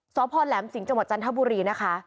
สพแหลมสิงห์จังหวัดจันทบุรีนะคะ